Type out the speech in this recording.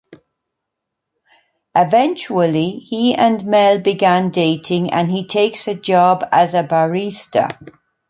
Eventually, he and Mell begin dating and he takes a job as a barista.